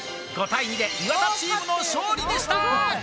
５対２で岩田チームの勝利でした。